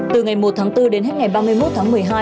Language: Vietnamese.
từ ngày một tháng bốn đến hết ngày ba mươi một tháng một mươi hai